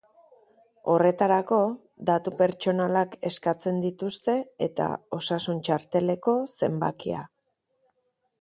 Horretarako, datu pertsonalak eskatzen dituzte eta osasun-txarteleko zenbakia.